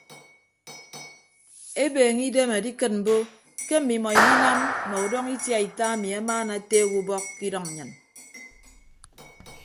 Ebeeñe idem adikịt mbo ke mmimọ iminam nọ udọñọ itiaita ami amaana ateek ubọk ke idʌñ nnyịn.